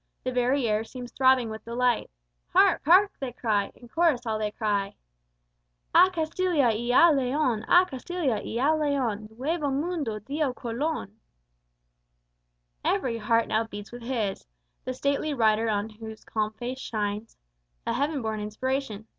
The very air seems throbbing with delight; Hark! hark! they cry, in chorus all they cry: "Á Castilla y á Leon, á Castilla y á Leon, Nuevo mundo dio Colon!" Every heart now beats with his, The stately rider on whose calm face shines A heaven born inspiration.